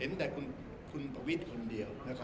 เห็นแต่คุณประวิทธิ์คนเดียวนะครับ